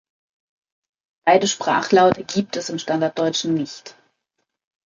Beide Sprachlaute gibt es im Standarddeutschen nicht.